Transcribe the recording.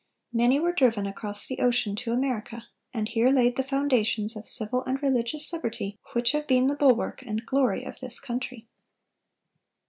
Many were driven across the ocean to America, and here laid the foundations of civil and religious liberty which have been the bulwark and glory of this country.